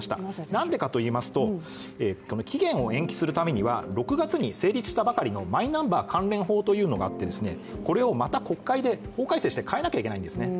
なんでかといいますと、期限を延期するためには６月に成立したばかりのマイナンバー関連法というのがあってこれをまた国会で法改正して変えなきゃいけないんですね。